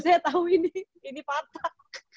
saya tahu ini ini patah